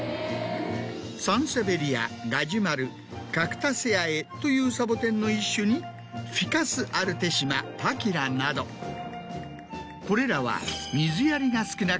サンセベリアガジュマルカクタセアエというサボテンの一種にフィカス・アルテシマパキラなどこれらは。